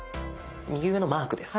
右上のマークです。